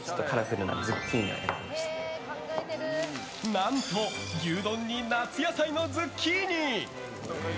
何と、牛丼に夏野菜のズッキーニ。